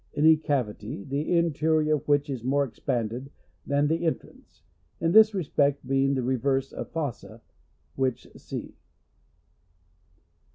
— Any cavity, the interior of which is more expanded than the entrance ; in this respect, being the reverse of a fossa ; which see.